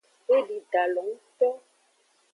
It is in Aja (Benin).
Edi dalo ngto.